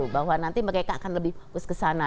bahwa nanti mereka akan lebih fokus ke sana